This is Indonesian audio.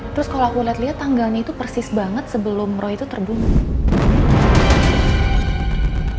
terus kalo aku liat liat tanggalnya itu persis banget sebelum roy itu terbunuh